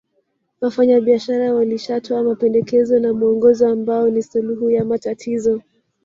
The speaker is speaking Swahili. Wafanyabiashara walishatoa mapendekezo na muongozo ambao ni suluhu ya matatizo